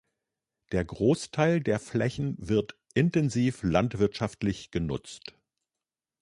Der Großteil der Flächen wird intensiv landwirtschaftlich genutzt.